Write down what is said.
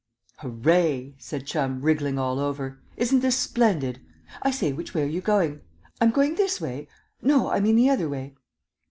"Hooray," said Chum, wriggling all over, "isn't this splendid? I say, which way are you going? I'm going this way?... No, I mean the other way."